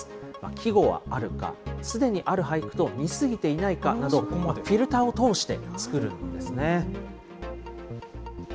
季語はあるか、すでにある俳句と似すぎていないかなど、フィルターを通して作るんですね。